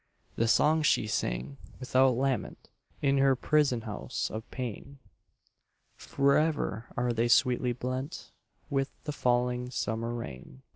The songs she sang, without lament, In her prison house of pain, Forever are they sweetly blent With the falling summer rain.